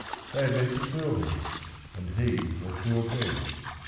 They had meant to fool him, and he had fooled them.